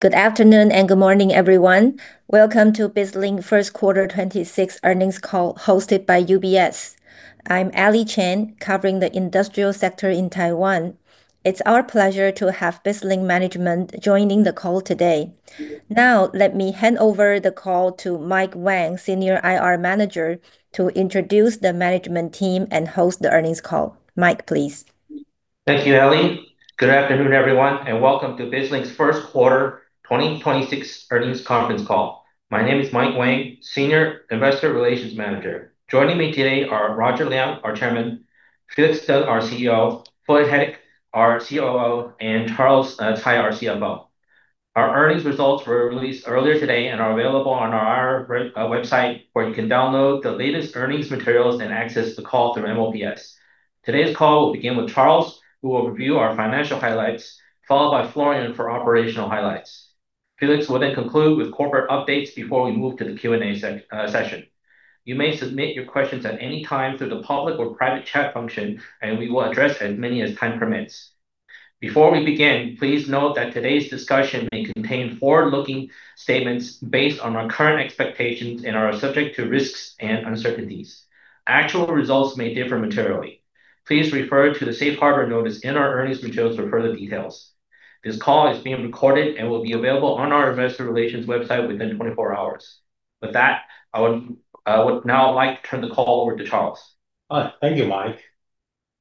Good afternoon and good morning, everyone. Welcome to BizLink first quarter 2026 earnings call hosted by UBS. I'm Ally Chen, covering the industrial sector in Taiwan. It's our pleasure to have BizLink Management joining the call today. Let me hand over the call to Mike Wang, Senior IR Manager, to introduce the management team and host the earnings call. Mike, please. Thank you, Ally. Good afternoon, everyone, welcome to BizLink's first quarter 2026 earnings conference call. My name is Mike Wang, Senior Investor Relations Manager. Joining me today are Roger Liang, our Chairman, Felix Teng, our CEO, Florian Hettich, our COO, Charles Tsai, our CFO. Our earnings results were released earlier today are available on our website, where you can download the latest earnings materials and access the call through. Today's call will begin with Charles, who will review our financial highlights, followed by Florian for operational highlights. Felix will conclude with corporate updates before we move to the Q&A session. You may submit your questions at any time through the public or private chat function, we will address as many as time permits. Before we begin, please note that today's discussion may contain forward-looking statements based on our current expectations and are subject to risks and uncertainties. Actual results may differ materially. Please refer to the Safe Harbor notice in our earnings materials for further details. This call is being recorded and will be available on our investor relations website within 24 hours. With that, I would now like to turn the call over to Charles. Hi. Thank you, Mike.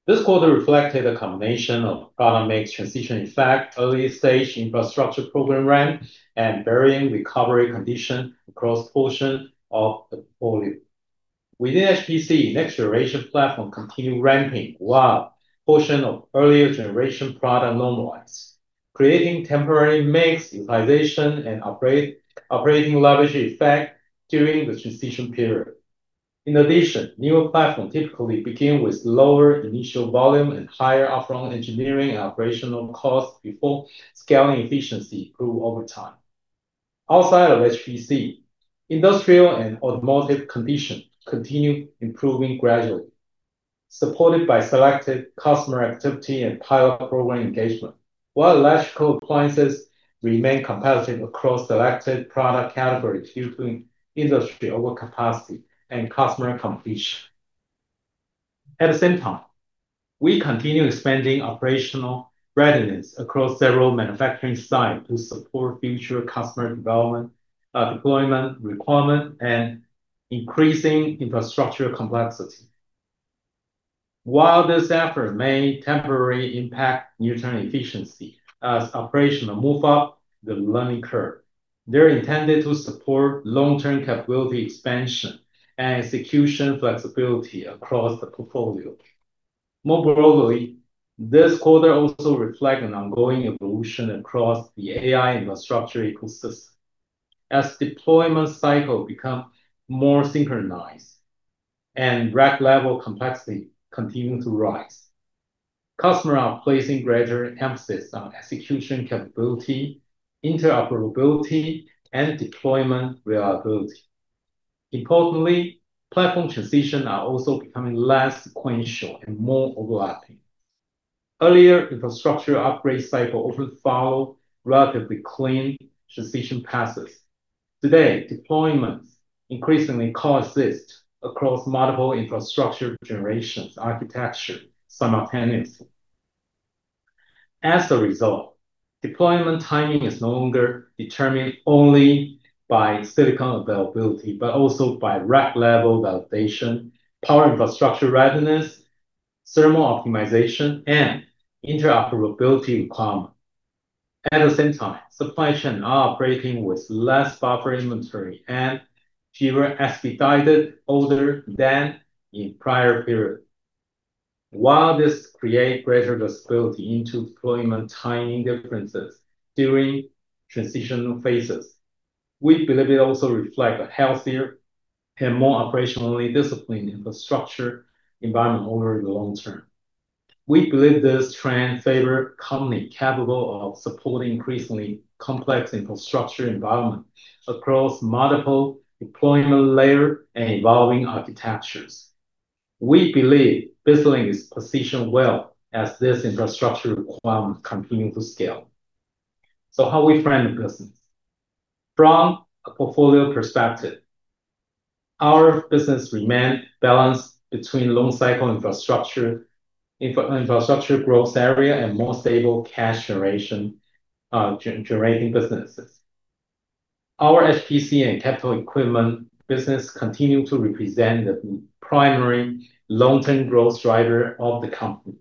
This quarter reflected a combination of product mix transition effect, early stage infrastructure program ramp, and varying recovery condition across portion of the portfolio. Within HPC, next generation platform continued ramping while portion of earlier generation product normalize, creating temporary mix utilization and operating leverage effect during the transition period. In addition, new platform typically begin with lower initial volume and higher upfront engineering operational costs before scaling efficiency improve over time. Outside of HPC, industrial and automotive condition continue improving gradually, supported by selective customer activity and pilot program engagement. While electrical appliances remain competitive across selected product categories due to industry overcapacity and customer competition. At the same time, we continue expanding operational readiness across several manufacturing site to support future customer development, deployment requirement and increasing infrastructure complexity. While this effort may temporarily impact near-term efficiency as operations move up the learning curve, they're intended to support long-term capability expansion and execution flexibility across the portfolio. This quarter also reflects an ongoing evolution across the AI infrastructure ecosystem. Deployment cycles become more synchronized and rack-level complexity continues to rise, customers are placing greater emphasis on execution capability, interoperability, and deployment reliability. Platform transitions are also becoming less sequential and more overlapping. Earlier infrastructure upgrade cycles often follow relatively clean transition paths. Deployments increasingly coexist across multiple infrastructure generations architecture simultaneously. Deployment timing is no longer determined only by silicon availability, but also by rack-level validation, power infrastructure readiness, thermal optimization, and interoperability requirements. Supply chains are operating with less buffer inventory and fewer expedited orders than in prior period. While this create greater visibility into deployment timing differences during transitional phases, we believe it also reflect a healthier and more operationally disciplined infrastructure environment over the long term. We believe this trend favor company capable of supporting increasingly complex infrastructure environment across multiple deployment layer and evolving architectures. We believe BizLink is positioned well as this infrastructure requirement continue to scale. How we frame the business? From a portfolio perspective, our business remain balanced between long cycle infrastructure growth area, and more stable cash generation generating businesses. Our HPC and capital equipment business continue to represent the primary long-term growth driver of the company,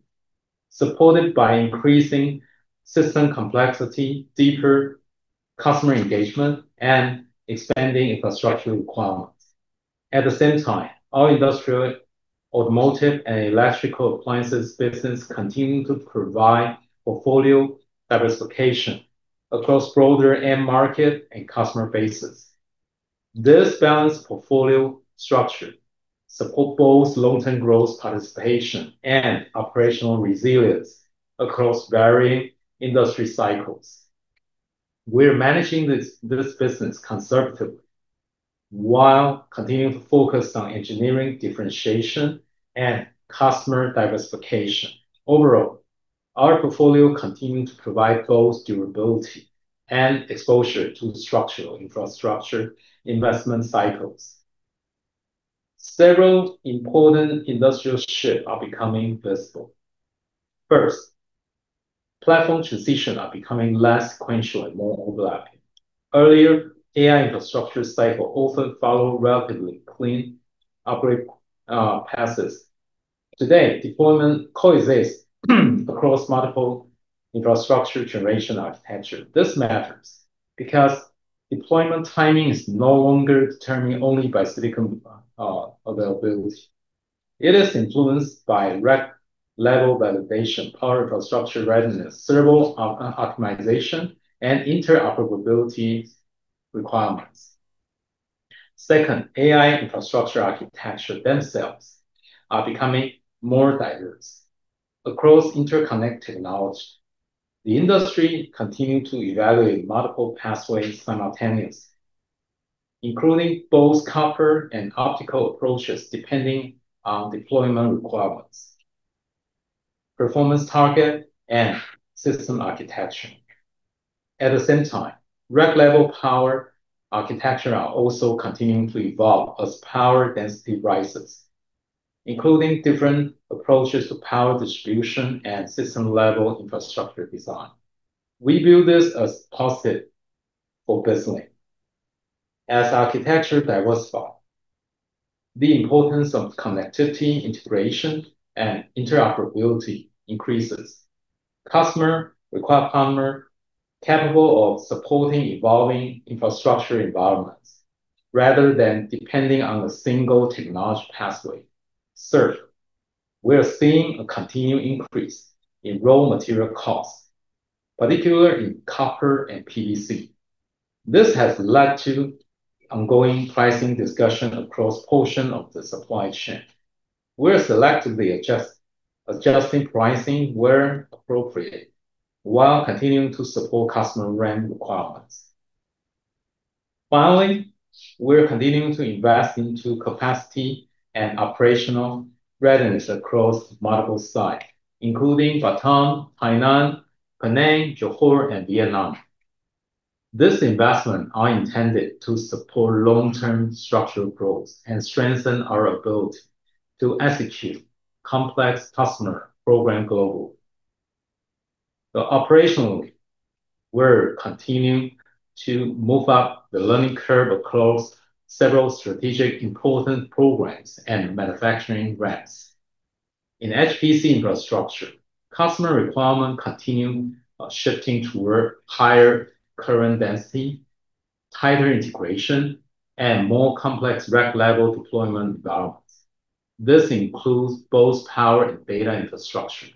supported by increasing system complexity, deeper customer engagement, and expanding infrastructure requirements. At the same time, our industrial, automotive, and electrical appliances business continuing to provide portfolio diversification across broader end market and customer bases. This balanced portfolio structure supports both long-term growth participation and operational resilience across varying industry cycles. We're managing this business conservatively while continuing to focus on engineering differentiation and customer diversification. Overall, our portfolio continues to provide both durability and exposure to the structural infrastructure investment cycles. Several important industrial shifts are becoming visible. First, platform transitions are becoming less sequential and more overlapping. Earlier, AI infrastructure cycles often followed relatively clean upgrade paths. Today, deployment coexists across multiple infrastructure generation architectures. This matters because deployment timing is no longer determined only by silicon availability. It is influenced by rack-level validation, power infrastructure readiness, thermal optimization, and interoperability requirements. Second, AI infrastructure architectures themselves are becoming more diverse across interconnect technology. The industry continues to evaluate multiple pathways simultaneously, including both copper and optical approaches depending on deployment requirements, performance targets, and system architectures. At the same time, rack-level power architecture are also continuing to evolve as power density rises, including different approaches to power distribution and system-level infrastructure design. We view this as positive for BizLink. As architecture diversify, the importance of connectivity, integration, and interoperability increases. Customer require partner capable of supporting evolving infrastructure environments rather than depending on a single technology pathway. Third, we are seeing a continued increase in raw material costs, particularly in copper and PVC. This has led to ongoing pricing discussion across portion of the supply chain. We are selectively adjusting pricing where appropriate while continuing to support customer ramp requirements. Finally, we are continuing to invest into capacity and operational readiness across multiple sites, including Batam, Tainan, Penang, Johor, and Vietnam. This investment are intended to support long-term structural growth and strengthen our ability to execute complex customer program globally. Operationally, we're continuing to move up the learning curve across several strategic important programs and manufacturing ramps. In HPC infrastructure, customer requirement continue shifting toward higher current density, tighter integration, and more complex rack-level deployment requirements. This includes both power and data infrastructure.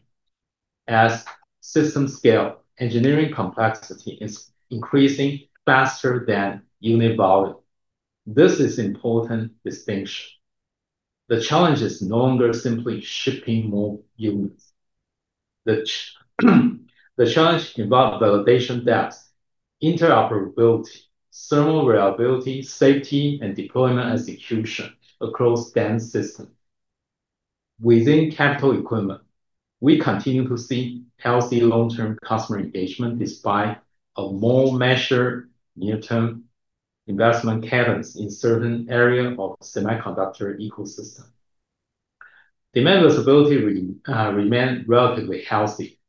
As system scale, engineering complexity is increasing faster than unit volume. This is important distinction. The challenge is no longer simply shipping more units. The challenge involve validation depth, interoperability, thermal reliability, safety, and deployment execution across dense system. Within capital equipment, we continue to see healthy long-term customer engagement despite a more measured near-term investment cadence in certain areas of semiconductor ecosystem. Demand visibility re remain relatively healthy,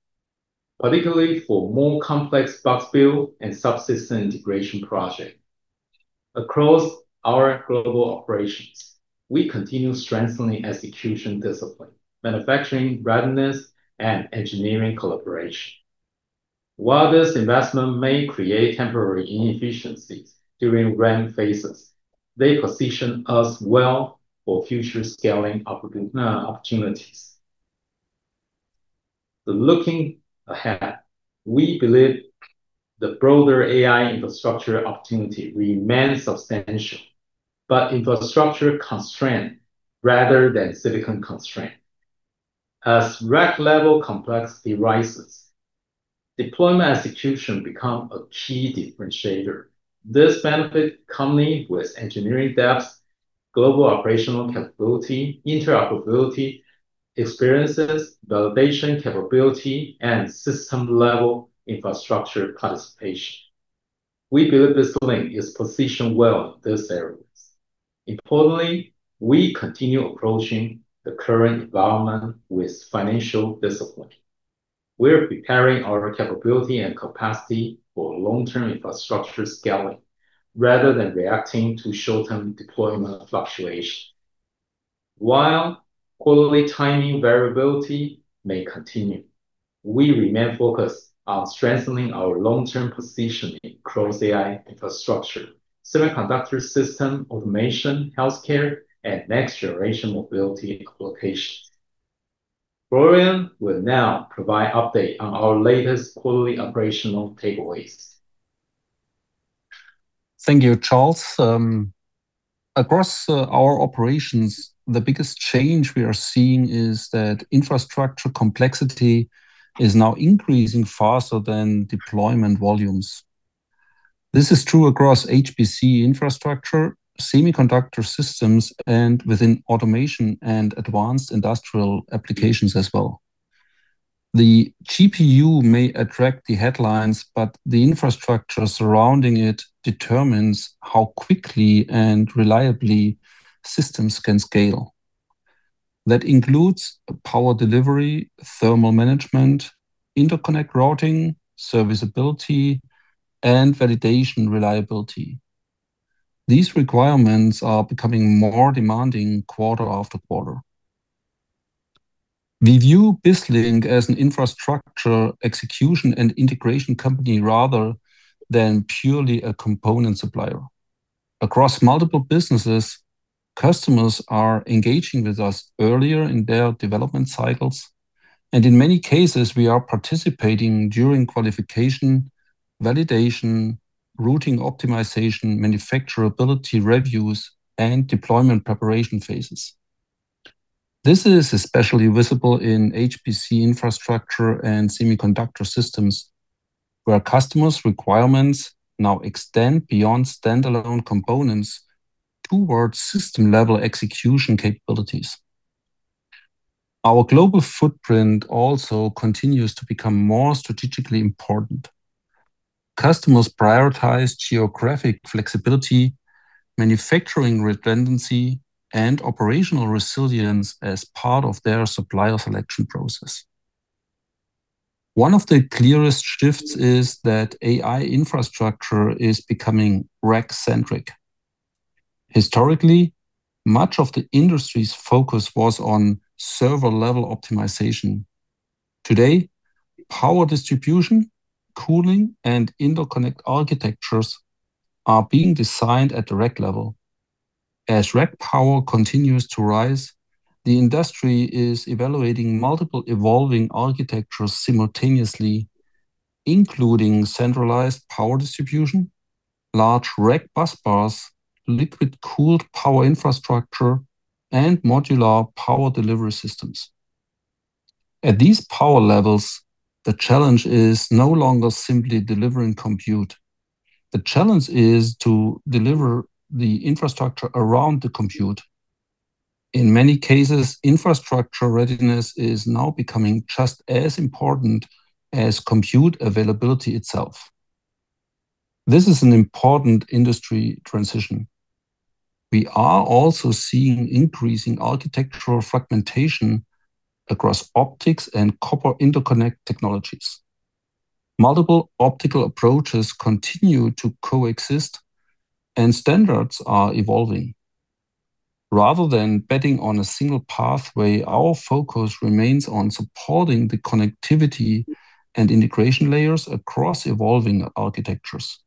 particularly for more complex box build and subsystem integration project. Across our global operations, we continue strengthening execution discipline, manufacturing readiness, and engineering collaboration. While this investment may create temporary inefficiencies during ramp phases, they position us well for future scaling opportunities. Looking ahead, we believe the broader AI infrastructure opportunity remains substantial, but infrastructure constraint rather than silicon constraint. As rack-level complexity rises, deployment execution becomes a key differentiator. This benefits company with engineering depth, global operational capability, interoperability, experiences, validation capability, and system-level infrastructure participation. We believe BizLink is positioned well in these areas. Importantly, we continue approaching the current environment with financial discipline. We are preparing our capability and capacity for long-term infrastructure scaling rather than reacting to short-term deployment fluctuation. While quarterly timing variability may continue, we remain focused on strengthening our long-term positioning across AI infrastructure, semiconductor system automation, healthcare, and next-generation mobility applications. Florian will now provide update on our latest quarterly operational takeaways. Thank you, Charles. Across our operations, the biggest change we are seeing is that infrastructure complexity is now increasing faster than deployment volumes. This is true across HPC infrastructure, semiconductor systems, and within automation and advanced industrial applications as well. The GPU may attract the headlines, the infrastructure surrounding it determines how quickly and reliably systems can scale. That includes power delivery, thermal management, interconnect routing, serviceability, and validation reliability. These requirements are becoming more demanding quarter after quarter. We view BizLink as an infrastructure execution and integration company rather than purely a component supplier. Across multiple businesses, customers are engaging with us earlier in their development cycles, and in many cases, we are participating during qualification, validation, routing optimization, manufacturability reviews, and deployment preparation phases. This is especially visible in HPC infrastructure and semiconductor systems, where customers' requirements now extend beyond standalone components towards system-level execution capabilities. Our global footprint also continues to become more strategically important. Customers prioritize geographic flexibility, manufacturing redundancy, and operational resilience as part of their supplier selection process. One of the clearest shifts is that AI infrastructure is becoming rack-centric. Historically, much of the industry's focus was on server-level optimization. Today, power distribution, cooling, and interconnect architectures are being designed at the rack-level. As rack power continues to rise, the industry is evaluating multiple evolving architectures simultaneously, including centralized power distribution, large rack busbars, liquid-cooled power infrastructure, and modular power delivery systems. At these power levels, the challenge is no longer simply delivering compute. The challenge is to deliver the infrastructure around the compute. In many cases, infrastructure readiness is now becoming just as important as compute availability itself. This is an important industry transition. We are also seeing increasing architectural fragmentation across optics and copper interconnect technologies. Multiple optical approaches continue to coexist, and standards are evolving. Rather than betting on a single pathway, our focus remains on supporting the connectivity and integration layers across evolving architectures.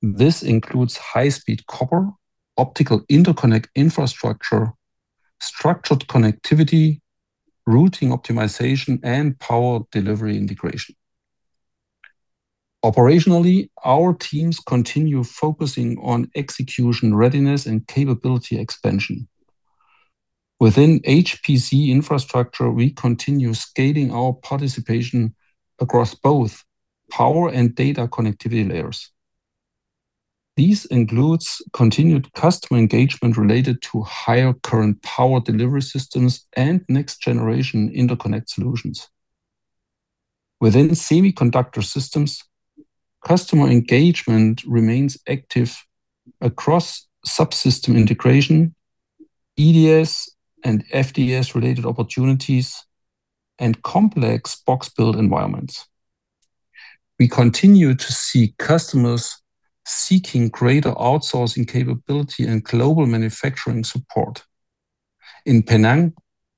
This includes high-speed copper, optical interconnect infrastructure, structured connectivity, routing optimization, and power delivery integration. Operationally, our teams continue focusing on execution readiness and capability expansion. Within HPC infrastructure, we continue scaling our participation across both power and data connectivity layers. These includes continued customer engagement related to higher current power delivery systems and next-generation interconnect solutions. Within semiconductor systems, customer engagement remains active across subsystem integration, EDS and FDS-related opportunities, and complex box build environments. We continue to see customers seeking greater outsourcing capability and global manufacturing support. In Penang,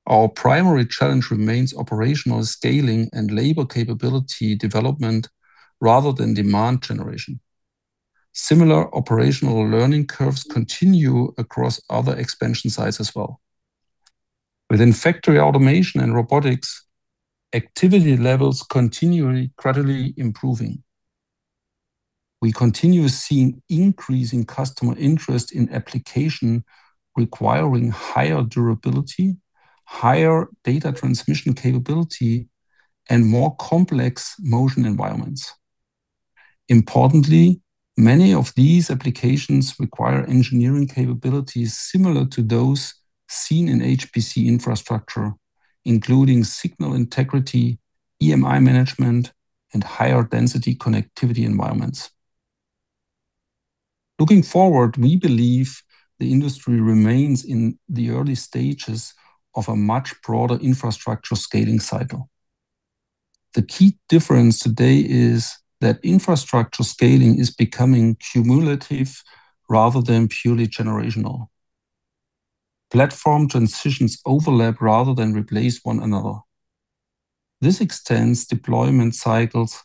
our primary challenge remains operational scaling and labor capability development rather than demand generation. Similar operational learning curves continue across other expansion sites as well. Within factory automation and robotics, activity levels continually gradually improving. We continue seeing increasing customer interest in applications requiring higher durability, higher data transmission capability, and more complex motion environments. Importantly, many of these applications require engineering capabilities similar to those seen in HPC infrastructure, including signal integrity, EMI management, and higher density connectivity environments. Looking forward, we believe the industry remains in the early stages of a much broader infrastructure scaling cycle. The key difference today is that infrastructure scaling is becoming cumulative rather than purely generational. Platform transitions overlap rather than replace one another. This extends deployment cycles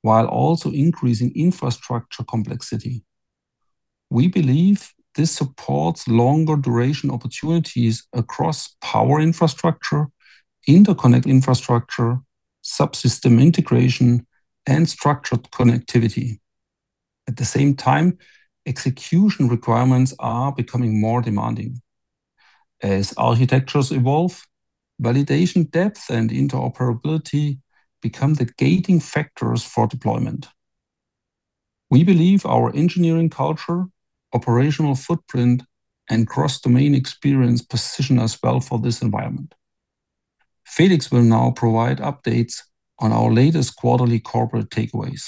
while also increasing infrastructure complexity. We believe this supports longer duration opportunities across power infrastructure, interconnect infrastructure, subsystem integration, and structured connectivity. At the same time, execution requirements are becoming more demanding. As architectures evolve, validation depth and interoperability become the gating factors for deployment. We believe our engineering culture, operational footprint, and cross-domain experience position us well for this environment. Felix will now provide updates on our latest quarterly corporate takeaways.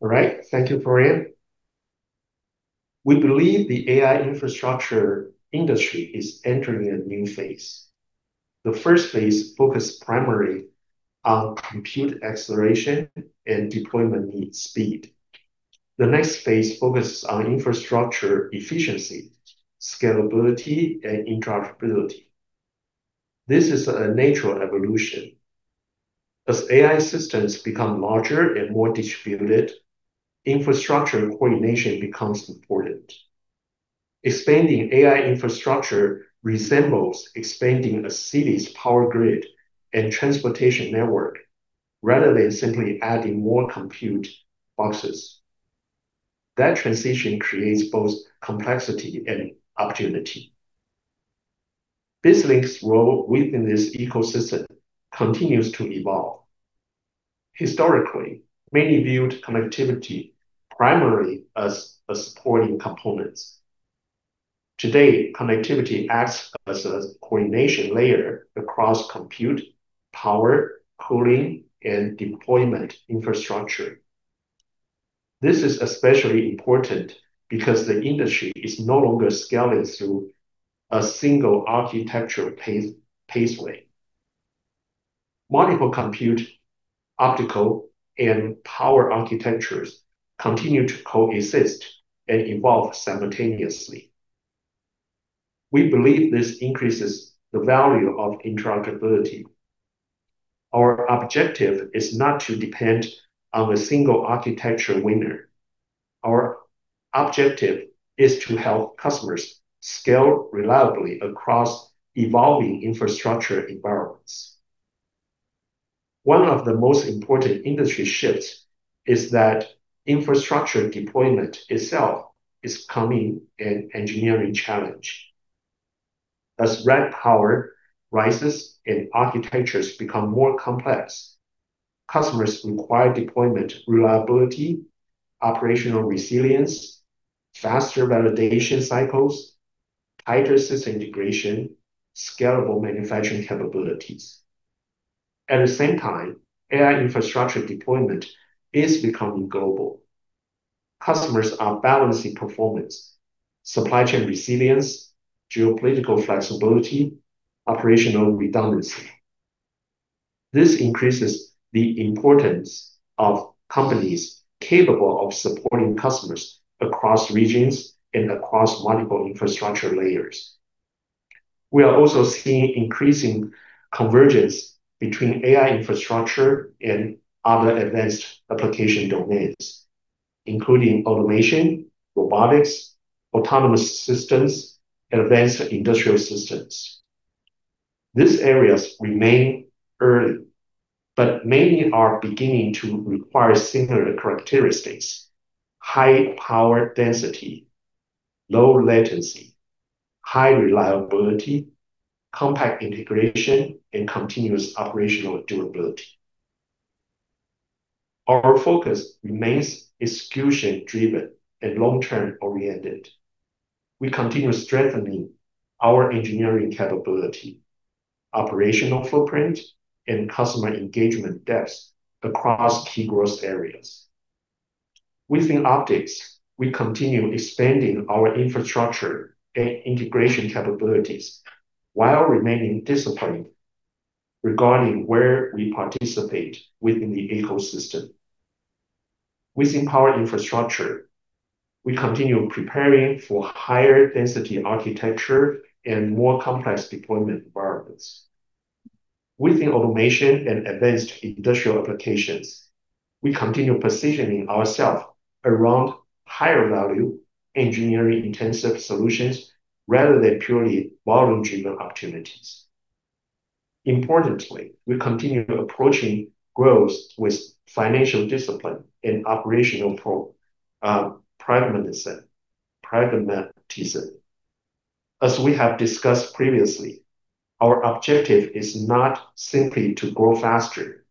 All right. Thank you, Florian. We believe the AI infrastructure industry is entering a new phase. The first phase focus primarily on compute acceleration and deployment need speed. The next phase focuses on infrastructure efficiency, scalability, and interoperability. This is a natural evolution. As AI systems become larger and more distributed, infrastructure coordination becomes important. Expanding AI infrastructure resembles expanding a city's power grid and transportation network rather than simply adding more compute boxes. That transition creates both complexity and opportunity. BizLink's role within this ecosystem continues to evolve. Historically, many viewed connectivity primarily as a supporting component. Today, connectivity acts as a coordination layer across compute, power, cooling, and deployment infrastructure. This is especially important because the industry is no longer scaling through a single architecture pace, pathway. Multiple compute, optical, and power architectures continue to coexist and evolve simultaneously. We believe this increases the value of interoperability. Our objective is not to depend on a single architecture winner. Our objective is to help customers scale reliably across evolving infrastructure environments. One of the most important industry shifts is that infrastructure deployment itself is becoming an engineering challenge. As rack power rises and architectures become more complex, customers require deployment reliability, operational resilience, faster validation cycles, tighter system integration, scalable manufacturing capabilities. At the same time, AI infrastructure deployment is becoming global. Customers are balancing performance, supply chain resilience, geopolitical flexibility, operational redundancy. This increases the importance of companies capable of supporting customers across regions and across multiple infrastructure layers. We are also seeing increasing convergence between AI infrastructure and other advanced application domains, including automation, robotics, autonomous systems, and advanced industrial systems. These areas remain early, many are beginning to require similar characteristics, high power density, low latency, high reliability, compact integration, and continuous operational durability. Our focus remains execution-driven and long-term oriented. We continue strengthening our engineering capability, operational footprint, and customer engagement depth across key growth areas. Within optics, we continue expanding our infrastructure and integration capabilities while remaining disciplined regarding where we participate within the ecosystem. Within power infrastructure, we continue preparing for higher density architecture and more complex deployment environments. Within automation and advanced industrial applications, we continue positioning ourselves around higher value engineering-intensive solutions rather than purely volume-driven opportunities. Importantly, we continue approaching growth with financial discipline and operational pragmatism. As we have discussed previously, our objective is not simply to grow faster.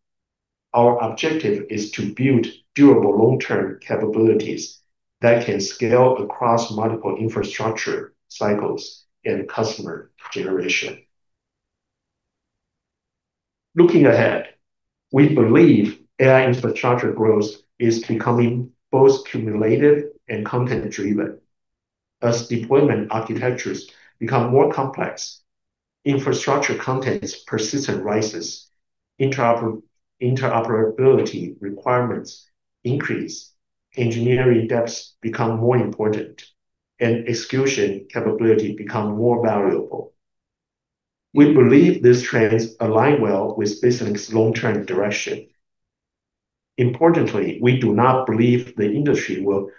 Our objective is to build durable long-term capabilities that can scale across multiple infrastructure cycles and customer generation. Looking ahead, we believe AI infrastructure growth is becoming both cumulative and content-driven. As deployment architectures become more complex, infrastructure content's persistent rises, interoperability requirements increase, engineering depths become more important, and execution capability become more valuable. We believe these trends align well with BizLink's long-term direction. Importantly, we do not believe the industry will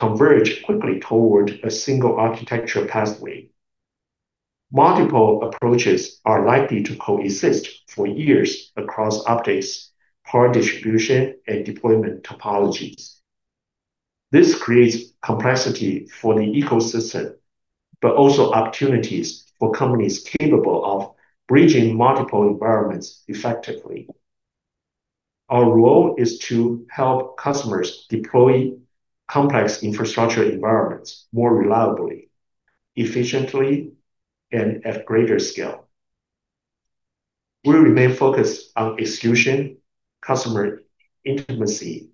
converge quickly toward a single architecture pathway. Multiple approaches are likely to coexist for years across updates, power distribution, and deployment topologies. This creates complexity for the ecosystem, but also opportunities for companies capable of bridging multiple environments effectively. Our role is to help customers deploy complex infrastructure environments more reliably, efficiently, and at greater scale. We remain focused on execution, customer intimacy,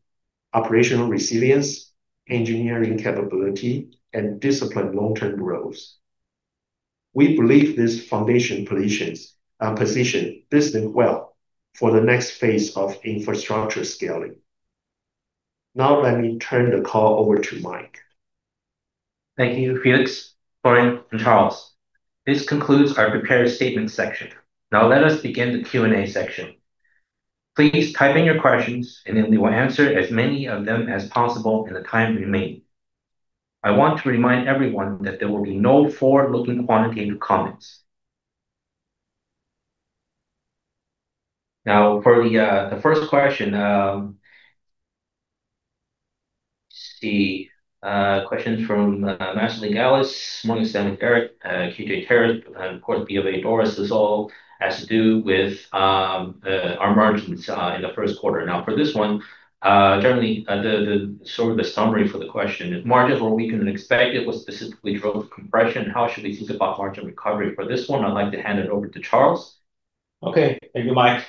operational resilience, engineering capability, and disciplined long-term growth. We believe this foundation positions BizLink well for the next phase of infrastructure scaling. Now let me turn the call over to Mike. Thank you, Felix, Florian, and Charles. This concludes our prepared statement section. Now let us begin the Q&A section. Please type in your questions, and then we will answer as many of them as possible in the time remaining. I want to remind everyone that there will be no forward-looking quantitative comments. Now, for the first question, let's see, questions from MasterLink Alice, Morningstar Eric, KGI Terry, and of course, BofA Doris. This all has to do with our margins in the first quarter. Now, for this one, generally, the sort of the summary for the question, margins were weaker than expected. What specifically drove compression? How should we think about margin recovery? For this one, I'd like to hand it over to Charles. Okay. Thank you, Mike.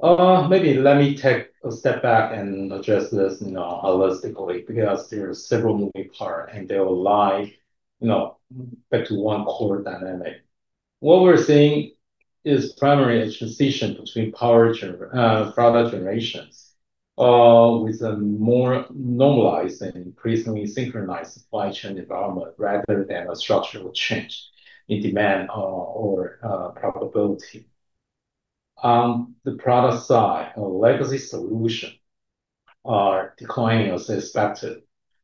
Maybe let me take a step back and address this, you know, holistically because there are several moving parts, they all lie, you know, back to one core dynamic. What we're seeing is primarily a transition between product generations, with a more normalized and increasingly synchronized supply chain development rather than a structural change in demand or probability. On the product side, our legacy solution are declining as expected,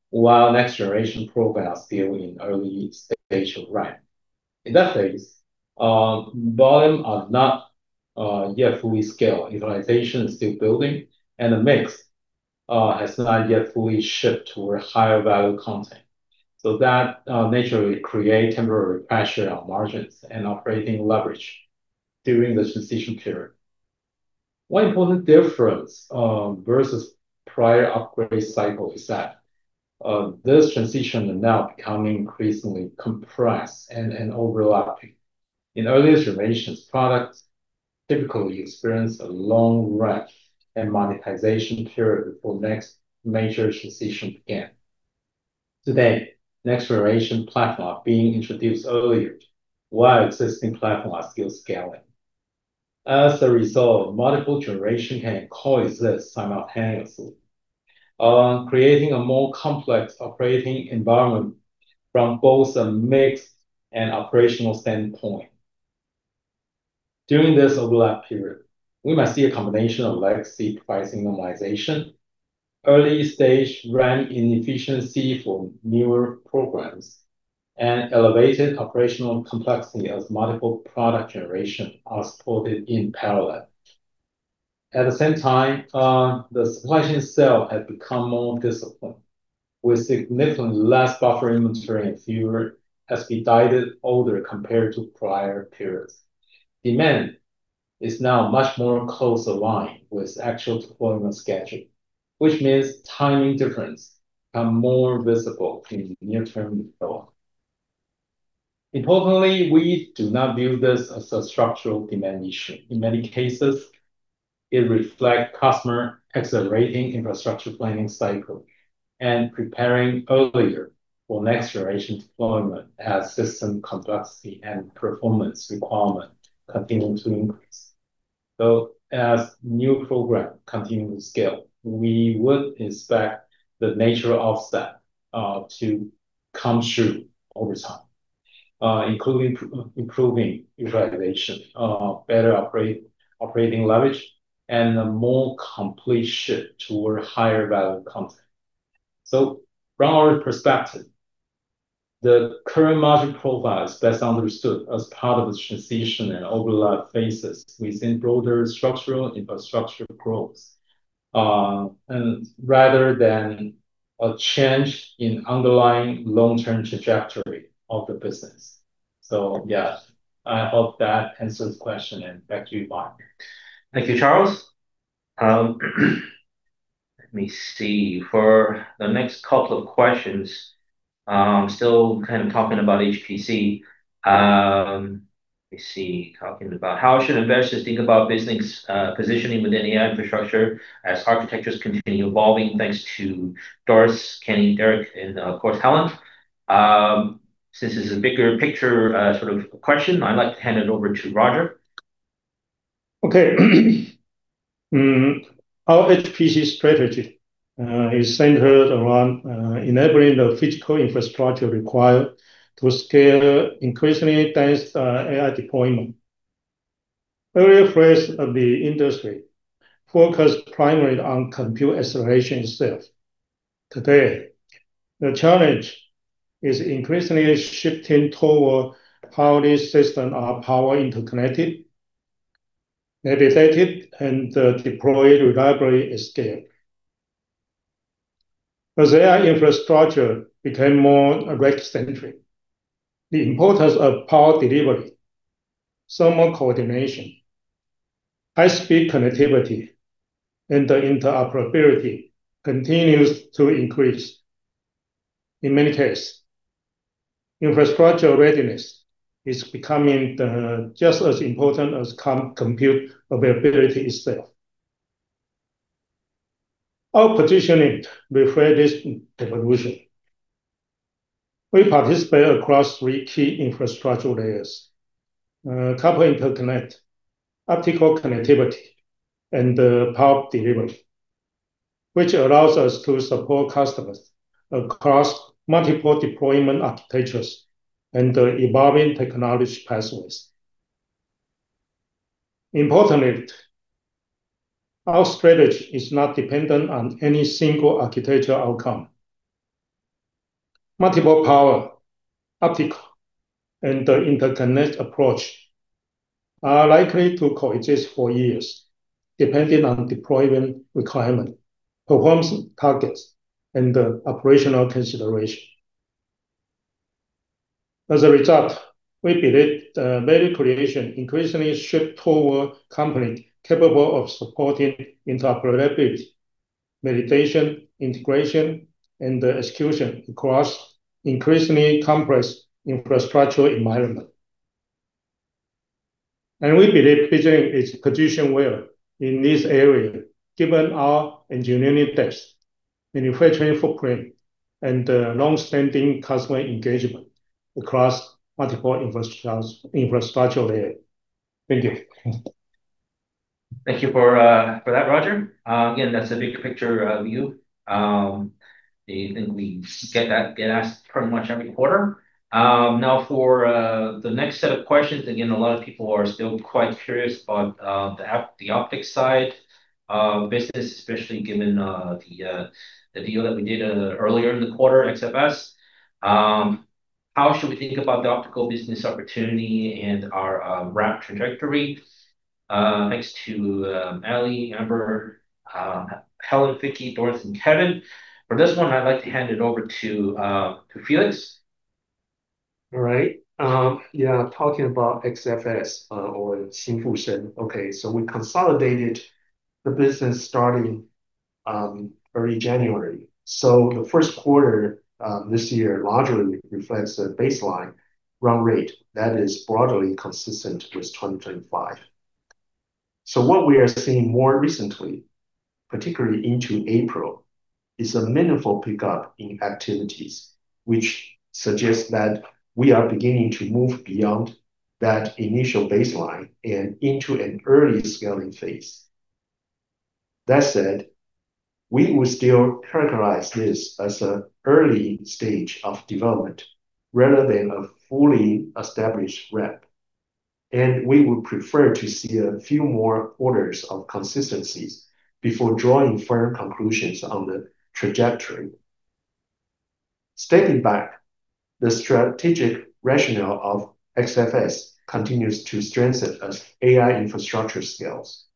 while next-generation programs are still in early stage of ramp. In that phase, volume are not yet fully scale. Utilization is still building, the mix has not yet fully shifted to a higher value content. That naturally create temporary pressure on margins and operating leverage during this transition period. One important difference, versus prior upgrade cycle is that this transition are now becoming increasingly compressed and overlapping. In earlier generations, products typically experience a long ramp and monetization period before next major transition began. Today, next generation platform are being introduced earlier while existing platform are still scaling. As a result, multiple generation can coexist simultaneously, creating a more complex operating environment from both a mix and operational standpoint. During this overlap period, we might see a combination of legacy pricing normalization, early-stage ramp inefficiency for newer programs, and elevated operational complexity as multiple product generation are supported in parallel. At the same time, the supply chain itself has become more disciplined, with significantly less buffer inventory and fewer expedited order compared to prior periods. Demand is now much more closely aligned with actual deployment schedule, which means timing difference are more visible in near-term development. Importantly, we do not view this as a structural demand issue. In many cases, it reflects customer accelerating infrastructure planning cycle and preparing earlier for next-generation deployment as system complexity and performance requirement continue to increase. As new program continue to scale, we would expect the nature of that to come through over time, including improving utilization, better operating leverage, and a more complete shift toward higher value content. From our perspective, the current margin profile is best understood as part of this transition and overlap phases within broader structural infrastructure growth, and rather than a change in underlying long-term trajectory of the business. Yeah, I hope that answers the question and back to you, Mike. Thank you, Charles. Let me see. For the next couple of questions, still kind of talking about HPC. Let's see, talking about how should investors think about business positioning within AI infrastructure as architectures continue evolving? Thanks to Doris, Kenny, Derek, and, of course, Helen. Since this is a bigger picture sort of question, I'd like to hand it over to Roger. Okay. Our HPC strategy is centered around enabling the physical infrastructure required to scale increasingly dense, AI deployment. Early phase of the industry focused primarily on compute acceleration itself. Today, the challenge is increasingly shifting toward how these systems are power interconnected, validated, and deployed reliably scale. As AI infrastructure become more rack-centric, the importance of power delivery, thermal coordination, high speed connectivity, and the interoperability continues to increase. In many cases, infrastructure readiness is becoming the just as important as compute availability itself. Our positioning refer this evolution. We participate across three key infrastructure layers. Copper interconnect, optical connectivity, and the power delivery, which allows us to support customers across multiple deployment architectures and the evolving technology pathways. Importantly, our strategy is not dependent on any single architecture outcome. Multiple power, optical, and the interconnect approach are likely to coexist for years depending on deployment requirement, performance targets, and the operational consideration. As a result, we believe the value creation increasingly shift toward company capable of supporting interoperability, validation, integration, and the execution across increasingly complex infrastructure environment. We believe BizLink is positioned well in this area given our engineering test, manufacturing footprint, and the long-standing customer engagement across multiple infrastructure layer. Thank you. Thank you for for that, Roger. That's a big picture view. I think we get asked pretty much every quarter. Now for the next set of questions, a lot of people are still quite curious about the optics side of business, especially given the deal that we did earlier in the quarter, XFS. How should we think about the optical business opportunity and our ramp trajectory? Thanks to Ally, Amber, Helen, Vicky, Doris, and Kevin. For this one, I'd like to hand it over to Felix. All right. Yeah, talking about XFS or Sin Fu Shan. Okay. We consolidated the business starting early January. The first quarter this year largely reflects the baseline run rate that is broadly consistent with 2025. What we are seeing more recently, particularly into April, is a meaningful pickup in activities, which suggests that we are beginning to move beyond that initial baseline and into an early scaling phase. That said, we would still characterize this as a early stage of development rather than a fully established ramp, and we would prefer to see a few more quarters of consistencies before drawing firm conclusions on the trajectory. Stepping back, the strategic rationale of XFS continues to strengthen as AI infrastructure scales.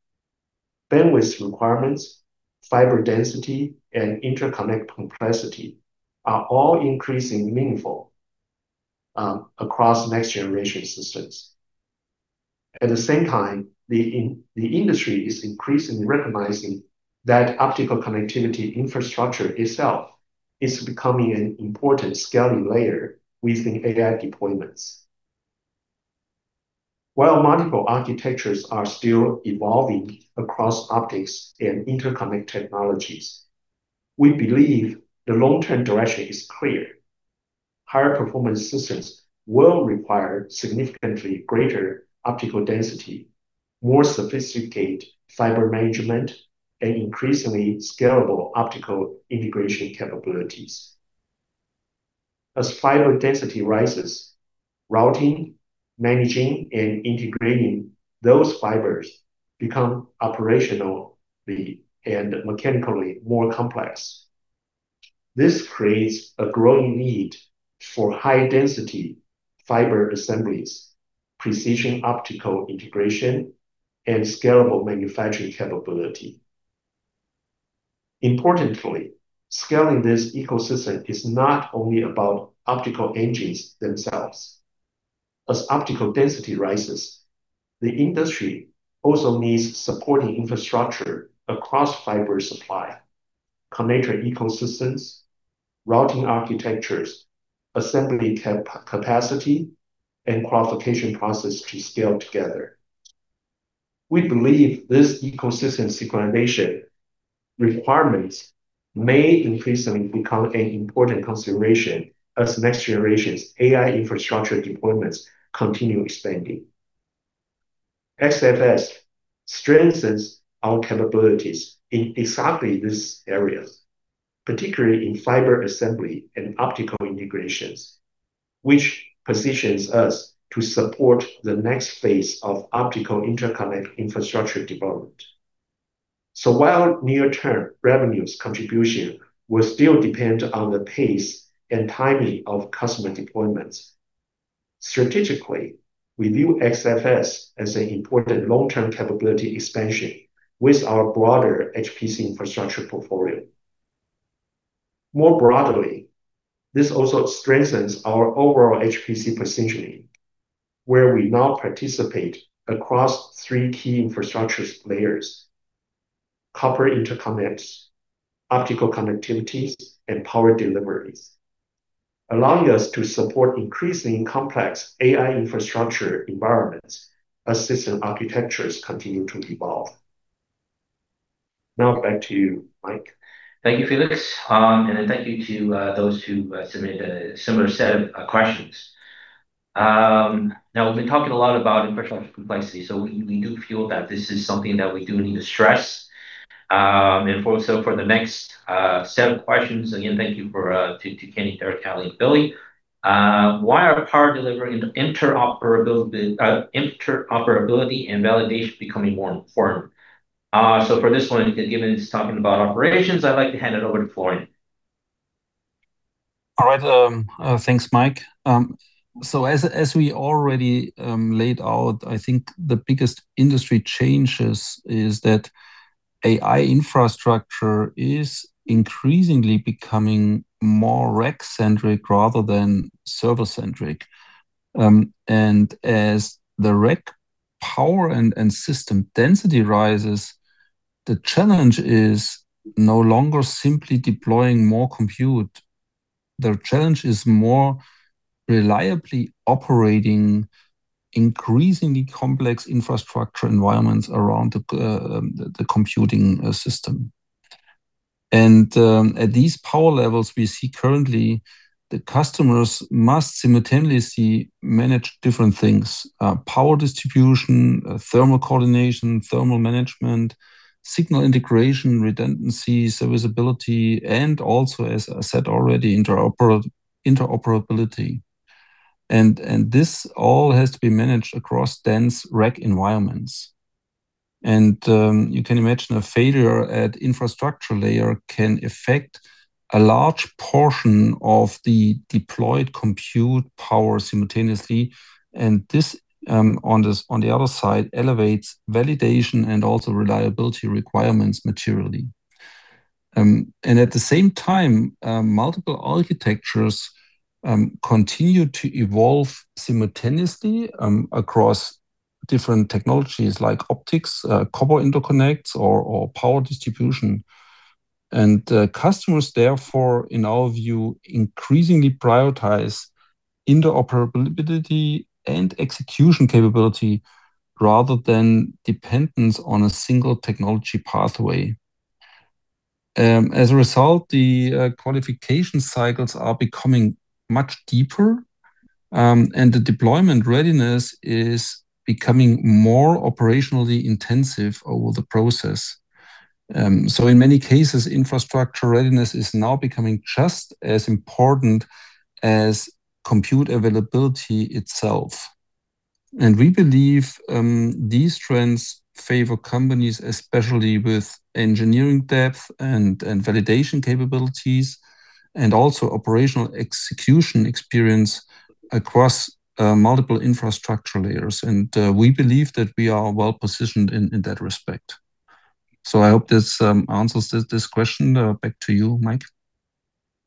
Bandwidth requirements, fiber density, and interconnect complexity are all increasing meaningful across next generation systems. At the same time, the industry is increasingly recognizing that optical connectivity infrastructure itself is becoming an important scaling layer within AI deployments. While multiple architectures are still evolving across optics and interconnect technologies, we believe the long-term direction is clear. Higher performance systems will require significantly greater optical density, more sophisticated fiber management, and increasingly scalable optical integration capabilities. As fiber density rises, routing, managing, and integrating those fibers become operationally and mechanically more complex. This creates a growing need for high density fiber assemblies, precision optical integration, and scalable manufacturing capability. Importantly, scaling this ecosystem is not only about optical engines themselves. As optical density rises, the industry also needs supporting infrastructure across fiber supply, connector ecosystems, routing architectures, assembly capacity, and qualification process to scale together. We believe this ecosystem synchronization requirements may increasingly become an important consideration as next generation's AI infrastructure deployments continue expanding. XFS strengthens our capabilities in exactly these areas, particularly in fiber assembly and optical integrations, which positions us to support the next phase of optical interconnect infrastructure development. While near-term revenues contribution will still depend on the pace and timing of customer deployments, strategically, we view XFS as an important long-term capability expansion with our broader HPC infrastructure portfolio. More broadly, this also strengthens our overall HPC positioning, where we now participate across three key infrastructure layers, copper interconnects, optical connectivities, and power deliveries, allowing us to support increasingly complex AI infrastructure environments as system architectures continue to evolve. Now back to you, Mike. Thank you, Felix. Thank you to those who submitted a similar set of questions. Now we've been talking a lot about infrastructure complexity, so we do feel that this is something that we do need to stress. For, so for the next set of questions, again, thank you to Kenny, Eric, Callie, and Billy. Why are power delivery and interoperability and validation becoming more important? For this one, given he's talking about operations, I'd like to hand it over to Florian. All right. Thanks, Mike. As we already laid out, I think the biggest industry changes is that AI infrastructure is increasingly becoming more rack-centric rather than server-centric. As the rack power and system density rises, the challenge is no longer simply deploying more compute. The challenge is more reliably operating increasingly complex infrastructure environments around the computing system. At these power levels we see currently, the customers must simultaneously manage different things, power distribution, thermal coordination, thermal management, signal integration, redundancy, serviceability, and also, as I said already, interoperability. This all has to be managed across dense rack environments. You can imagine a failure at infrastructure layer can affect a large portion of the deployed compute power simultaneously, on the other side, elevates validation and also reliability requirements materially. At the same time, multiple architectures continue to evolve simultaneously across different technologies like optics, copper interconnects or power distribution. Customers, therefore, in our view, increasingly prioritize interoperability and execution capability rather than dependence on a single technology pathway. As a result, the qualification cycles are becoming much deeper, and the deployment readiness is becoming more operationally intensive over the process. In many cases, infrastructure readiness is now becoming just as important as compute availability itself. We believe these trends favor companies, especially with engineering depth and validation capabilities, and also operational execution experience across multiple infrastructure layers. We believe that we are well-positioned in that respect. I hope this answers this question. Back to you, Mike.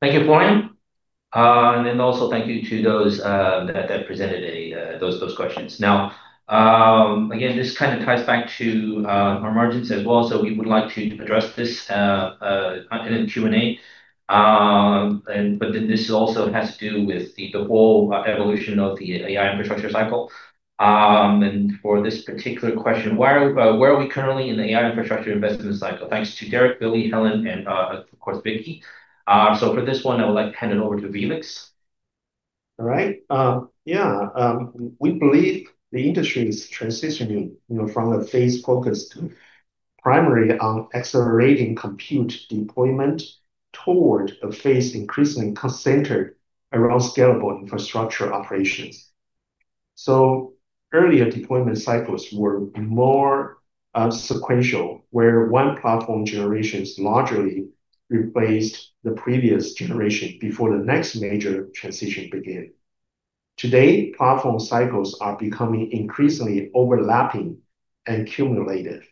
Thank you, Florian. Also thank you to those that presented questions. Again, this kind of ties back to our margins as well. We would like to address this in Q&A. This also has to do with the whole evolution of the AI infrastructure cycle. For this particular question, where are we currently in the AI infrastructure investment cycle? Thanks to Derek, Billy, Helen, and of course, Vicky. For this one, I would like to hand it over to Felix. All right. Yeah. We believe the industry is transitioning, you know, from a phase focused primarily on accelerating compute deployment toward a phase increasingly centered around scalable infrastructure operations. Earlier deployment cycles were more sequential, where one platform generation is largely replaced the previous generation before the next major transition began. Today, platform cycles are becoming increasingly overlapping and cumulative.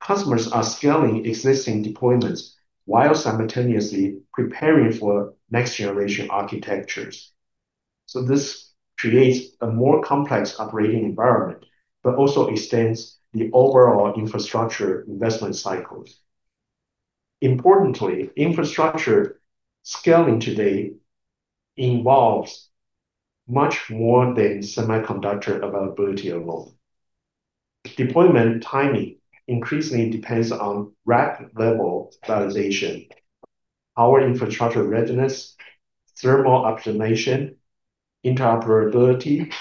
Customers are scaling existing deployments while simultaneously preparing for next-generation architectures. This creates a more complex operating environment but also extends the overall infrastructure investment cycles. Importantly, infrastructure scaling today involves much more than semiconductor availability alone. Deployment timing increasingly depends on rack-level standardization Our infrastructure readiness, thermal optimization, interoperability,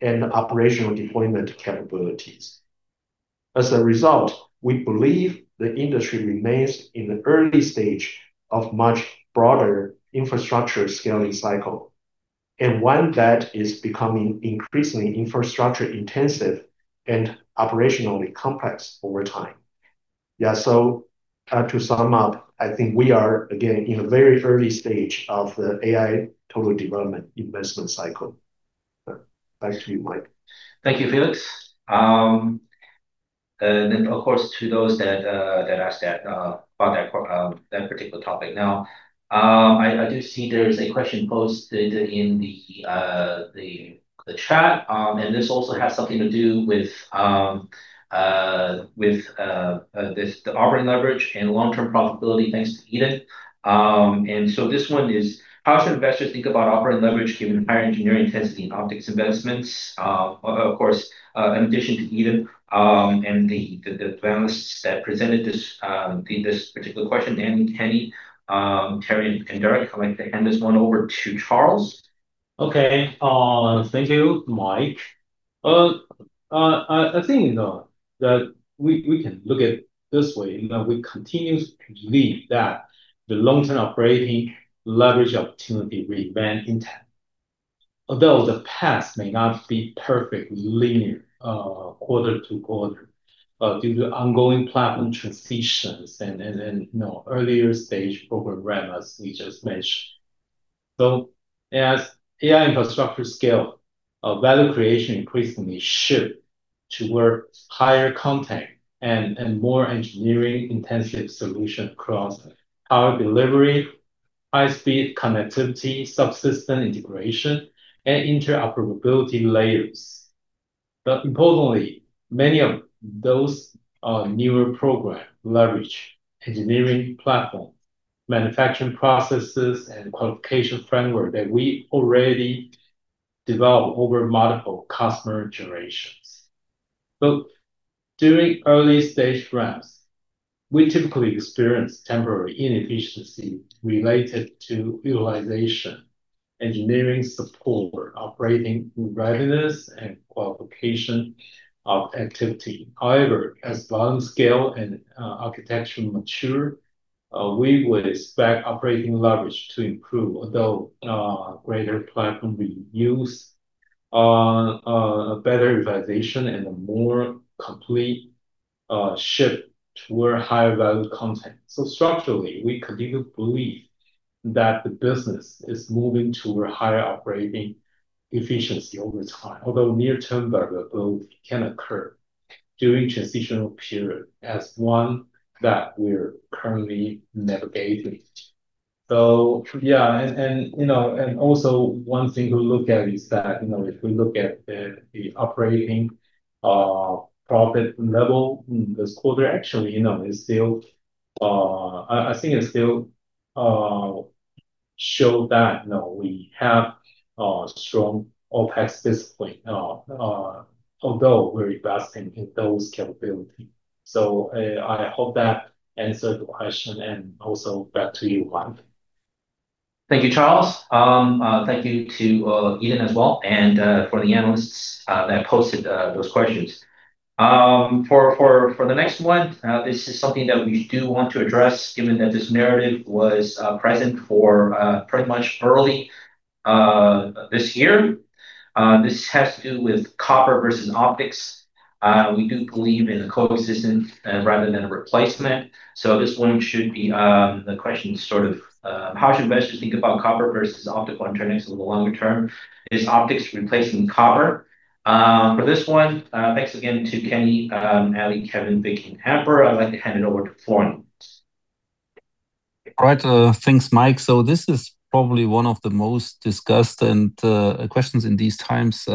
and operational deployment capabilities. As a result, we believe the industry remains in the early stage of much broader infrastructure scaling cycle, and one that is becoming increasingly infrastructure-intensive and operationally complex over time. Yeah, to sum up, I think we are, again, in a very early stage of the AI total development investment cycle. Back to you, Mike. Thank you, Felix. Of course, to those that asked that about that particular topic. Now, I do see there is a question posted in the chat. This also has something to do with this, the operating leverage and long-term profitability, thanks to Eden. This one is: How should investors think about operating leverage given higher engineering intensity and optics investments? Of course, in addition to Eden, and the panelists that presented this particular question, and Kenny, Terry and Derek, I'd like to hand this one over to Charles. Okay. Thank you, Mike. I think, you know, that we can look at it this way, you know, we continue to believe that the long-term operating leverage opportunity remain intact. Although the past may not be perfectly linear, quarter-to-quarter, due to ongoing platform transitions and, you know, earlier stage program ramps, as we just mentioned. As AI infrastructure scale, value creation increasingly shift towards higher content and more engineering-intensive solution across power delivery, high-speed connectivity, subsystem integration, and interoperability layers. Importantly, many of those newer program leverage engineering platform, manufacturing processes, and qualification framework that we already developed over multiple customer generations. During early-stage ramps, we typically experience temporary inefficiency related to utilization, engineering support, operating readiness, and qualification of activity. However, as volume scale and architecture mature, we would expect operating leverage to improve, although greater platform reuse, better utilization and a more complete shift toward higher-value content. Structurally, we continue to believe that the business is moving toward higher operating efficiency over time, although near-term variability can occur during transitional period as one that we're currently navigating. Yeah, and, you know, and also one thing to look at is that, you know, if we look at the operating profit level this quarter, actually, you know, it's still, I think it still show that, you know, we have strong OpEx discipline, although we're investing in those capability. I hope that answered the question, and also back to you, Mike. Thank you, Charles Tsai. Thank you to Eden as well, and for the analysts that posted those questions. For the next one, this is something that we do want to address, given that this narrative was present for pretty much early this year. This has to do with copper versus optics. We do believe in a coexistence rather than a replacement. This one should be the question sort of: How should investors think about copper versus optical alternatives in the longer term? Is optics replacing copper? For this one, thanks again to Kenny, Ally Chen, Kevin, Doris, Vicky, and Amber. I'd like to hand it over to Florian Hettich. Right. Thanks, Mike. This is probably one of the most discussed and questions in these times.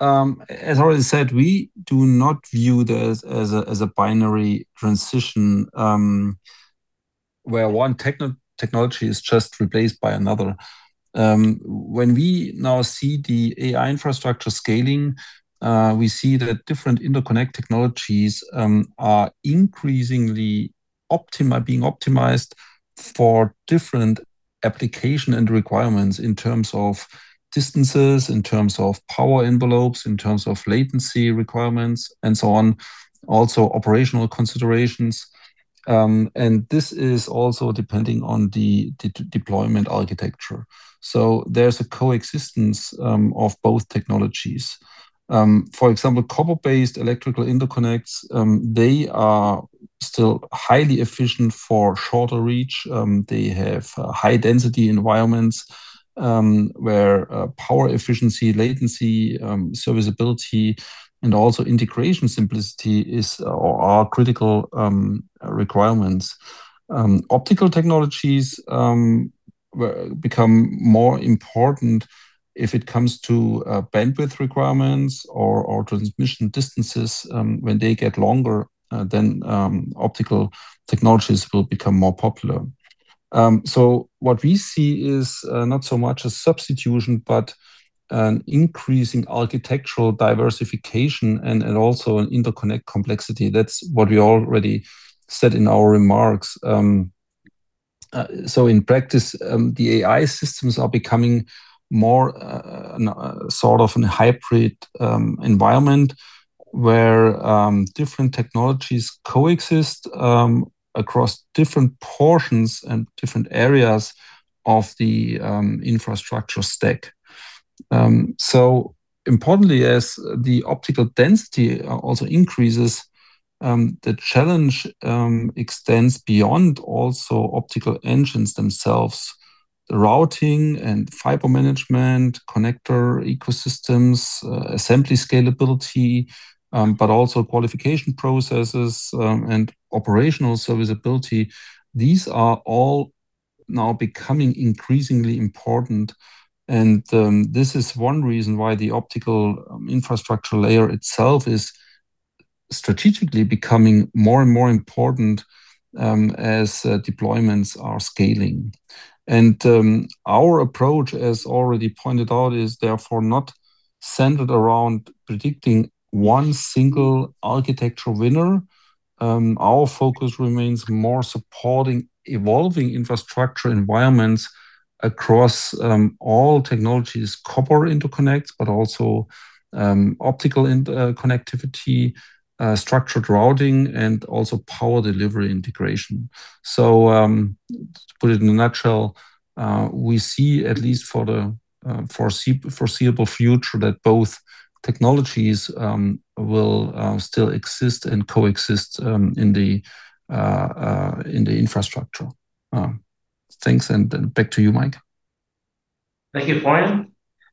As already said, we do not view this as a binary transition, where one technology is just replaced by another. When we now see the AI infrastructure scaling, we see that different interconnect technologies are increasingly being optimized for different application and requirements in terms of distances, in terms of power envelopes, in terms of latency requirements, and so on. Also operational considerations. This is also depending on the deployment architecture. There's a coexistence of both technologies. For example, copper-based electrical interconnects, they are still highly efficient for shorter reach. They have high-density environments, where power efficiency, latency, serviceability, and also integration simplicity is or are critical requirements. Optical technologies become more important if it comes to bandwidth requirements or transmission distances. When they get longer, optical technologies will become more popular. What we see is not so much a substitution, but an increasing architectural diversification and also an interconnect complexity. That's what we already said in our remarks. In practice, the AI systems are becoming more sort of in a hybrid environment where different technologies coexist across different portions and different areas of the infrastructure stack. Importantly, as the optical density also increases, the challenge extends beyond also optical engines themselves, the routing and fiber management, connector ecosystems, assembly scalability, but also qualification processes and operational serviceability. These are all now becoming increasingly important, this is one reason why the optical infrastructure layer itself is strategically becoming more and more important as deployments are scaling. Our approach, as already pointed out, is therefore not centered around predicting one single architectural winner. Our focus remains more supporting evolving infrastructure environments across all technologies, copper interconnects, but also optical connectivity, structured routing, and also power delivery integration. To put it in a nutshell, we see at least for the foreseeable future that both technologies will still exist and coexist in the infrastructure. Thanks, back to you, Mike. Thank you, Florian.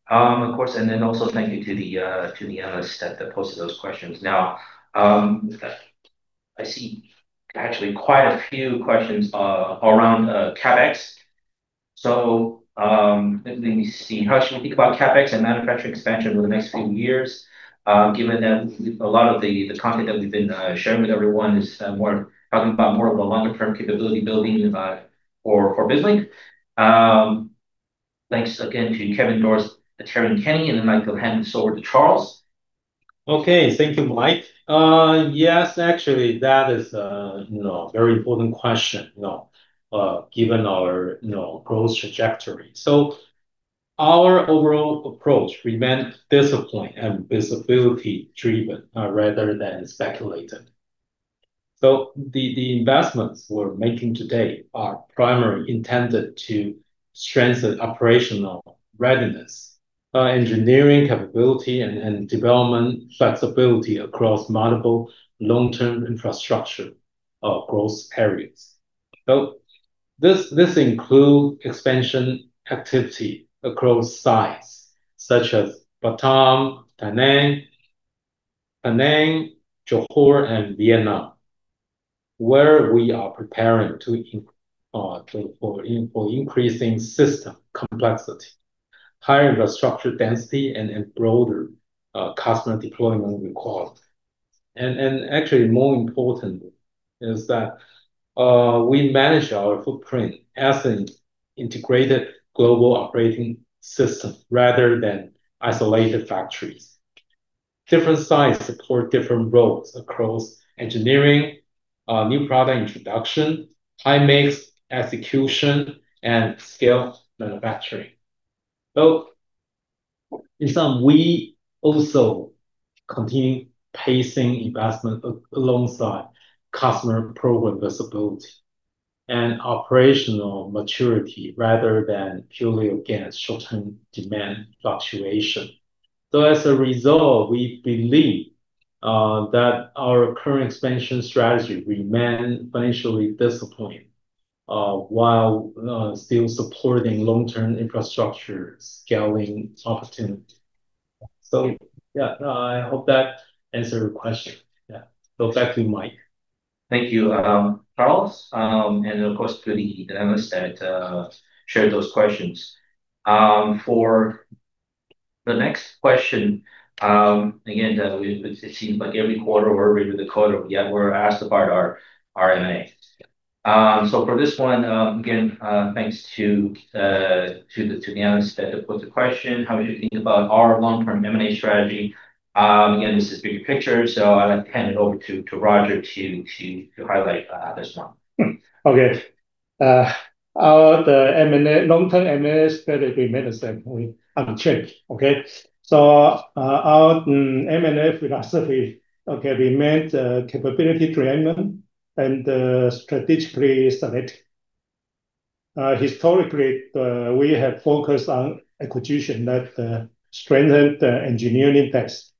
Of course, also thank you to the analyst that posted those questions. I see actually quite a few questions around CapEx. Let me see. How should we think about CapEx and manufacturing expansion over the next few years, given that a lot of the content that we've been sharing with everyone is more talking about more of a longer-term capability building for BizLink. Thanks again to Kevin, Doris, Terry, Kenny, I go hand this over to Charles. Okay. Thank you, Mike. Yes, actually, that is a, you know, very important question, you know, given our, you know, growth trajectory. Our overall approach remains disciplined and visibility-driven, rather than speculated. The investments we're making today are primarily intended to strengthen operational readiness, engineering capability and development flexibility across multiple long-term infrastructure growth periods. This include expansion activity across sites such as Batam, Penang, Johor, and Vietnam, where we are preparing to increasing system complexity, higher infrastructure density, and broader customer deployment requirements. Actually, more importantly is that, we manage our footprint as an integrated global operating system rather than isolated factories. Different sites support different roles across engineering, new product introduction, high-mix execution, and scale manufacturing. In sum, we also continue pacing investment alongside customer program visibility and operational maturity rather than purely against short-term demand fluctuation. As a result, we believe that our current expansion strategy remain financially disciplined, while still supporting long-term infrastructure scaling opportunity. Yeah, I hope that answered your question. Yeah. Back to you, Mike. Thank you, Charles, and of course to the analyst that shared those questions. For the next question, again, it seems like every quarter or every other quarter we have, we're asked about our M&A. For this one, again, thanks to the analyst that had put the question, how we should think about our long-term M&A strategy. Again, this is bigger picture, I'll hand it over to Roger to highlight this one. The M&A, long-term M&A strategy remains the same. We unchanged. Our M&A philosophy remains capability-driven and strategically selected. Historically, we have focused on acquisition that strengthen the engineering test,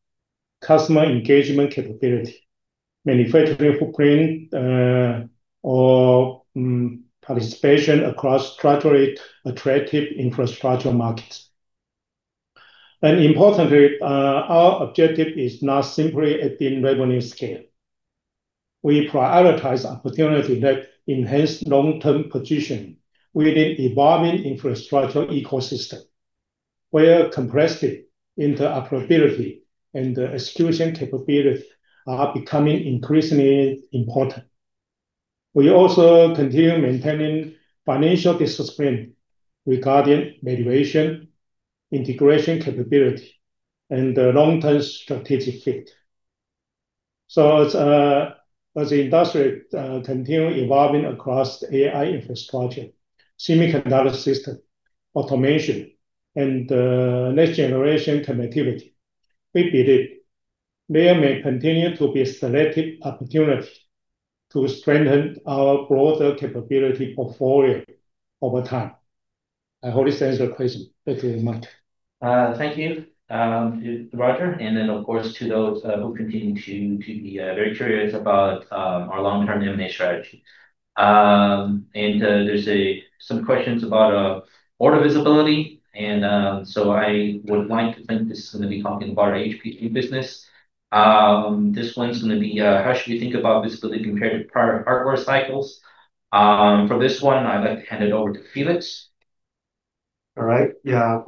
customer engagement capability, manufacturing footprint, or participation across structurally attractive infrastructure markets. Importantly, our objective is not simply adding revenue scale. We prioritize opportunity that enhance long-term position within evolving infrastructure ecosystem, where comprehensive interoperability and execution capabilities are becoming increasingly important. We also continue maintaining financial discipline regarding valuation, integration capability, and the long-term strategic fit. As the industry continue evolving across AI infrastructure, semiconductor system, automation, and next generation connectivity, we believe there may continue to be selective opportunity to strengthen our broader capability portfolio over time. I hope this answers your question. Thank you very much. Thank you to Roger, of course to those who continue to be very curious about our long-term M&A strategy. There's some questions about order visibility, and I would like to think this is gonna be talking about our HPC business. This one's gonna be, how should we think about visibility compared to prior hardware cycles? For this one, I'd like to hand it over to Felix. All right. Yeah.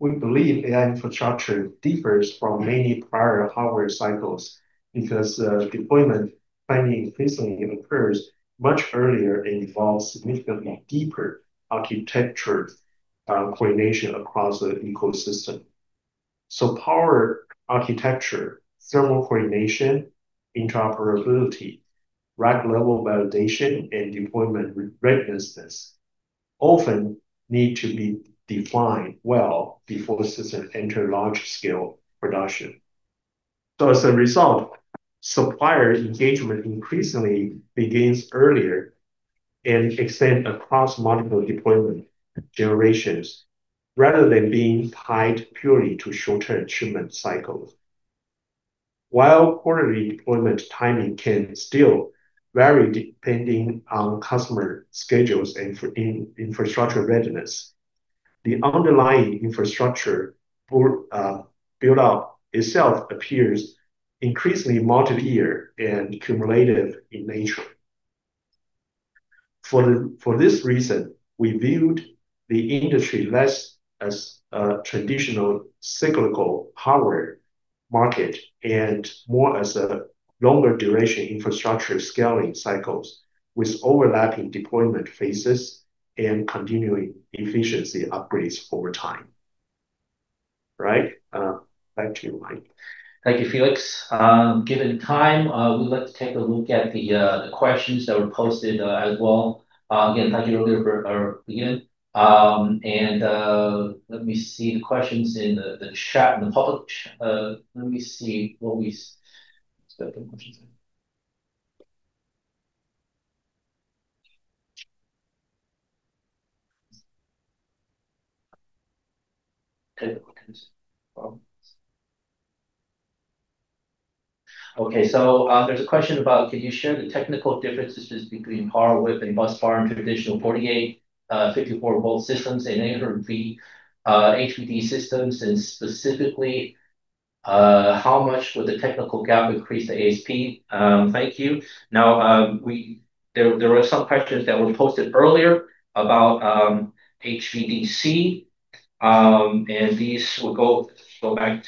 We believe AI infrastructure differs from many prior hardware cycles because deployment timing increasingly occurs much earlier and involves significantly deeper architecture coordination across the ecosystem. Power architecture, thermal coordination, interoperability, rack-level validation, and deployment re-readiness often need to be defined well before the system enter large scale production. As a result, supplier engagement increasingly begins earlier and extend across multiple deployment generations, rather than being tied purely to short-term achievement cycles. While quarter deployment timing can still vary depending on customer schedules and in-infrastructure readiness, the underlying infrastructure board build-out itself appears increasingly multi-year and cumulative in nature. For this reason, we viewed the industry less as a traditional cyclical hardware market and more as a longer duration infrastructure scaling cycles with overlapping deployment phases and continuing efficiency upgrades over time. Right. Back to you, Mike. Thank you, Felix. Given time, we'd like to take a look at the questions that were posted as well. Again, thank you earlier for again. Let me see the questions in the chat, in the public. Let's go to the questions then. Okay. Well. Okay. There's a question about can you share the technical differences between power whip and busbar and traditional 48V, 54V systems and 800V HVDC systems, and specifically, how much would the technical gap increase the ASP? Thank you. Now, there were some questions that were posted earlier about HVDC, and these will go back,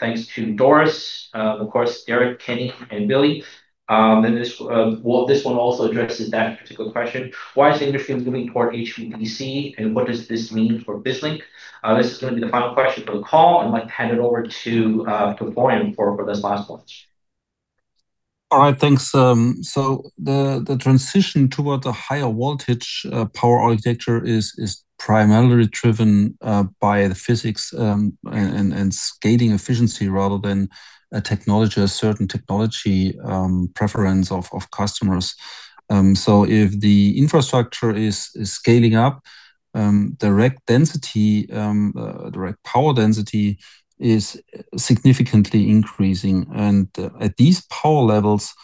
thanks to Doris, of course, Derek, Kenny, and Billy. Well, this one also addresses that particular question. Why is the industry moving toward HVDC, and what does this mean for BizLink? This is gonna be the final question for the call. I'd like to hand it over to Florian for this last one. All right. Thanks. The transition towards a higher voltage power architecture is primarily driven by the physics and scaling efficiency rather than a certain technology preference of customers. If the infrastructure is scaling up, the rack-density, the rack-power density is significantly increasing. At these power levels,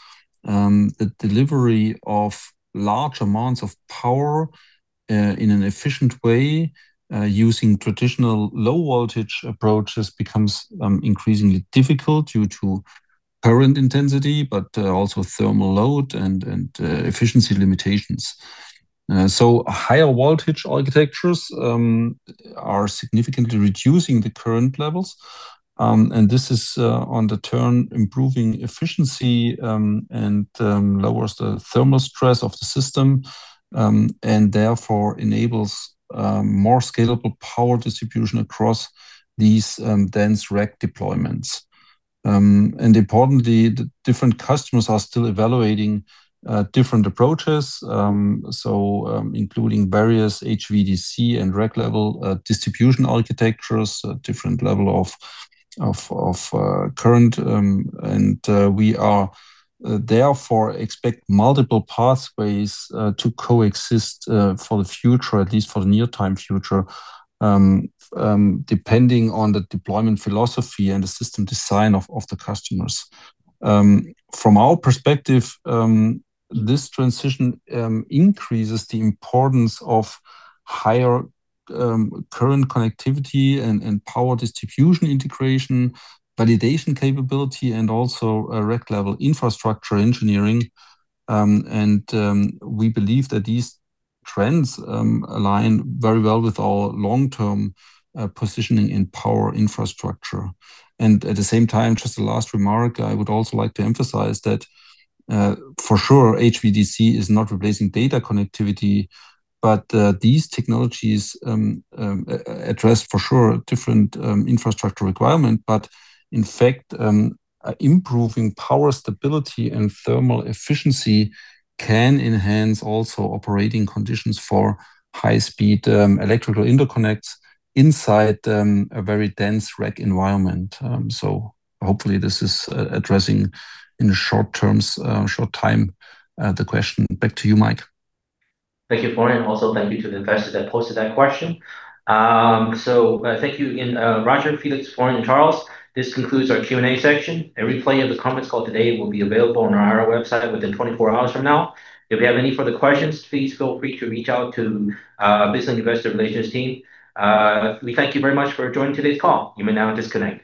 the delivery of large amounts of power in an efficient way using traditional low voltage approaches becomes increasingly difficult due to current intensity, but also thermal load and efficiency limitations. Higher voltage architectures are significantly reducing the current levels. This is on the term improving efficiency, and lowers the thermal stress of the system, and therefore enables more scalable power distribution across these dense rack deployments. Importantly, the different customers are still evaluating different approaches, so including various HVDC and rack-level distribution architectures, a different level of current. We are therefore expect multiple pathways to coexist for the future, at least for the near time future, depending on the deployment philosophy and the system design of the customers. From our perspective, this transition increases the importance of higher current connectivity and power distribution integration, validation capability, and also rack-level infrastructure engineering. We believe that these trends align very well with our long-term positioning in power infrastructure. At the same time, just a last remark, I would also like to emphasize that for sure, HVDC is not replacing data connectivity. These technologies address for sure different infrastructure requirement. In fact, improving power stability and thermal efficiency can enhance also operating conditions for high speed electrical interconnects inside a very dense rack environment. Hopefully this is addressing in short terms, short time the question. Back to you, Mike. Thank you, Florian. Also, thank you to the investor that posted that question. Thank you again, Roger, Felix, Florian, and Charles. This concludes our Q&A section. A replay of the conference call today will be available on our IR website within 24 hours from now. If you have any further questions, please feel free to reach out to BizLink investor relations team. We thank you very much for joining today's call. You may now disconnect